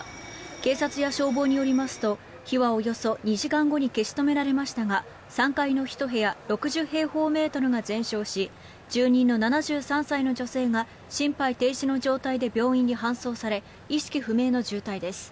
警察や消防によりますと火はおよそ２時間後に消し止められましたが３階のひと部屋６０平方メートルが全焼し住人の７３歳の女性が心肺停止の状態で病院に搬送され意識不明の重体です。